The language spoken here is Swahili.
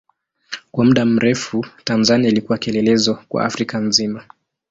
Kwa muda mrefu Tanzania ilikuwa kielelezo kwa Afrika nzima.